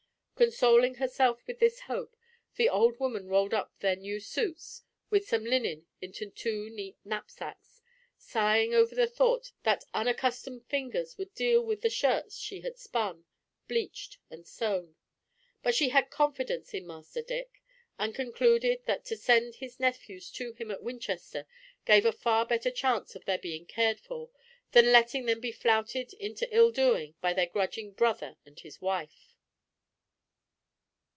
Consoling herself with this hope, the old woman rolled up their new suits with some linen into two neat knapsacks; sighing over the thought that unaccustomed fingers would deal with the shirts she had spun, bleached, and sewn. But she had confidence in "Master Dick," and concluded that to send his nephews to him at Winchester gave a far better chance of their being cared for, than letting them be flouted into ill doing by their grudging brother and his wife.